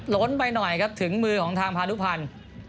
ล้นไปหน่อยครับถึงมือทางภาณุภัณฑ์